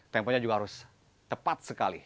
temponya juga harus tepat sekali